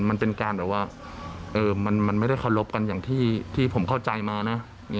มันเป็นการแบบว่ามันไม่ได้เคารพกันอย่างที่ผมเข้าใจมานะ